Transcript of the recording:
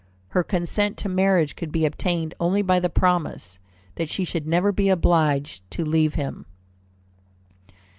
Her consent to marriage could be obtained only by the promise that she should never be obliged to leave him.